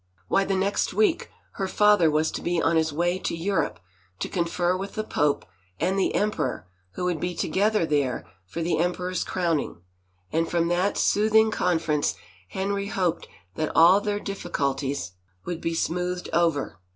Why the next week her father was to be on his way to Europe to confer with the pope and the emperor who would be together there for the emperor's crowning, and from that soothing con ference Henry hoped that all their difficulties would be 217 THE FAVOR OF KINGS smoothed over.